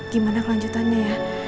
gimana kelanjutannya ya